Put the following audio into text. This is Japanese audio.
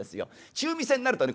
中見世になるとね